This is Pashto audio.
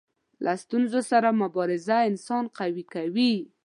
د ستونزو سره مبارزه انسان قوي کوي.